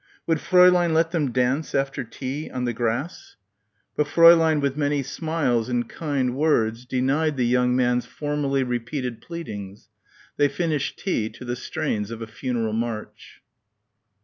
Would Fräulein let them dance after tea, on the grass? But Fräulein with many smiles and kind words denied the young man's formally repeated pleadings. They finished tea to the strains of a funeral march.